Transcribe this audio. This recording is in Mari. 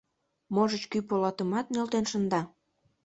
Можыч, кӱ полатымат нӧлтен шында.